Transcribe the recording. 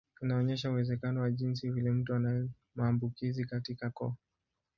Inaonyesha uwezekano wa jinsi vile mtu ana maambukizi katika koo.